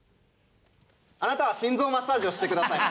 あなたは心臓マッサージをしてください。